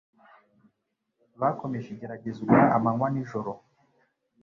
Bakomeje igeragezwa amanywa n'ijoro